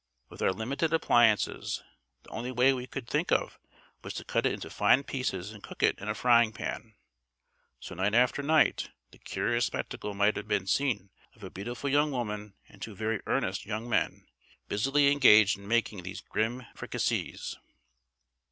With our limited appliances the only way we could think of was to cut it into fine pieces and cook it in a frying pan. So night after night the curious spectacle might have been seen of a beautiful young woman and two very earnest young men busily engaged in making these grim fricassees.